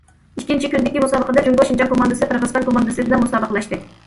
ئىككىنچى كۈنىدىكى مۇسابىقىدە جۇڭگو شىنجاڭ كوماندىسى قىرغىزىستان كوماندىسى بىلەن مۇسابىقىلەشتى.